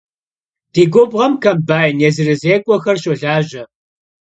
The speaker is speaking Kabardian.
Di gubğuem kombayn yêzırızêk'uexer şolaje.